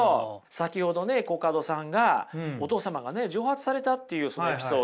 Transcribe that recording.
先ほどねコカドさんがお父様がね蒸発されたっていうそのエピソード